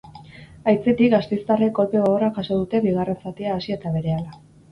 Aitzitik, gasteiztarrek kolpe gogorra jaso dute bigarren zatia hasi eta berehala.